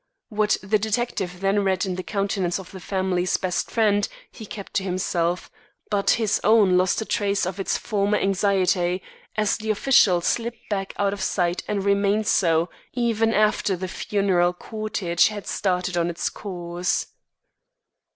What the detective then read in the countenance of the family's best friend, he kept to himself; but his own lost a trace of its former anxiety, as the official slipped back out of sight and remained so, even after the funeral cortege had started on its course.